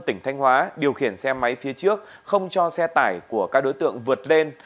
tỉnh thanh hóa điều khiển xe máy phía trước không cho xe tải của các đối tượng vượt lên